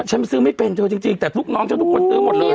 ฉันซื้อไม่เป็นเธอจริงแต่ลูกน้องฉันทุกคนซื้อหมดเลย